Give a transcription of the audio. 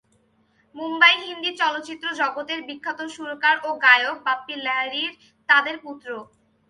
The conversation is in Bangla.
মুম্বাই হিন্দি চলচ্চিত্র জগতের বিখ্যাত সুরকার ও গায়ক বাপ্পী লাহিড়ী তাদের পুত্র।